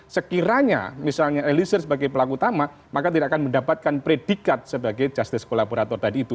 sekiranya misalnya eliezer sebagai pelaku utama maka tidak akan mendapatkan predikat sebagai justice collaborator tadi itu